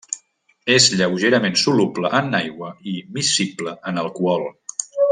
És lleugerament soluble en aigua i miscible en alcohol.